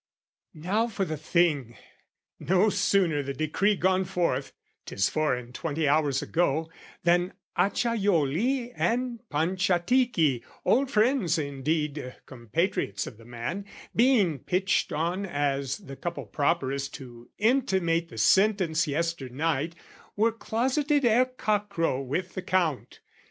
"Now for the thing; no sooner the decree "Gone forth, 'tis four and twenty hours ago, "Than Acciaioli and Panciatichi, "Old friends, indeed compatriots of the man, "Being pitched on as the couple properest "To intimate the sentence yesternight, "Were closeted ere cock crow with the Count.